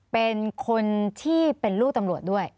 เป็นคนที่เป็นลูกตำรวจด้วย